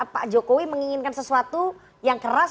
pak jokowi menginginkan sesuatu yang keras